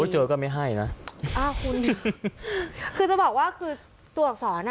เจอก็ไม่ให้นะคือจะบอกว่าตัวอักษรน่ะ